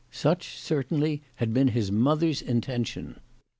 Such certainly had been his mother's intention.